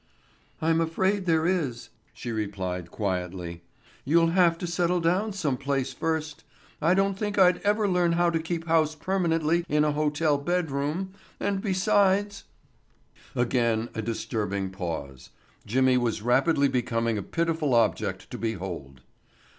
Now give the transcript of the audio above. "I'm afraid there is," she replied, quietly. "You'll have to settle down some place first. I don't think I'd ever learn how to keep house permanently in a hotel bed room and besides——" Again a disturbing pause. Jimmy was rapidly becoming a pitiful object to behold.